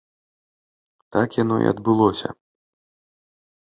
Так яно і адбылося.